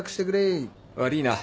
悪いな。